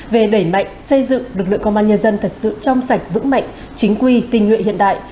về đẩy mạnh xây dựng lực lượng công an nhân dân thật sự trong sạch vững mạnh chính quy tình nguyện hiện đại